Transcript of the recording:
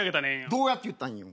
どうやって言ったらいいんよ。